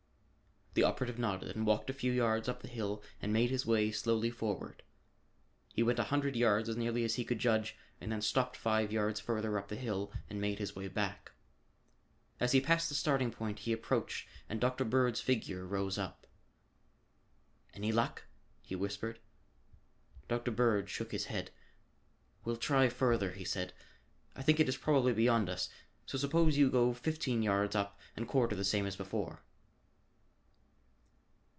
The operative nodded and walked a few yards up the hill and made his way slowly forward. He went a hundred yards as nearly as he could judge and then stepped five yards further up the hill and made his way back. As he passed the starting point he approached and Dr. Bird's figure rose up. "Any luck?" he whispered. Dr. Bird shook his head. "Well try further," he said. "I think it is probably beyond us, so suppose you go fifteen yards up and quarter the same as before."